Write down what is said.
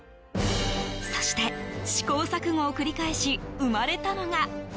そして試行錯誤を繰り返し生まれたのが。